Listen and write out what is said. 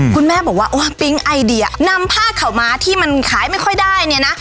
คุณแม่บอกว่าโอ้ปิ๊งไอเดียนำผ้าข่าวม้าที่มันขายไม่ค่อยได้เนี่ยนะ